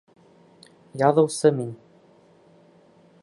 — Яҙыусы мин.